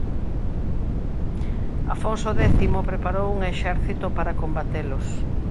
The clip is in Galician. Afonso X preparou un exército para combatelos.